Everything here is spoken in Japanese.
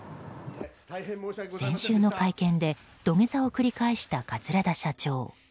先週の会見で土下座を繰り返した桂田社長。